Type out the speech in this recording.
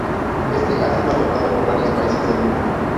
Este ha sido adoptado por varios países del mundo.